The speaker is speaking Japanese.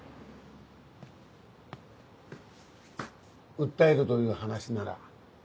訴えるという話なら。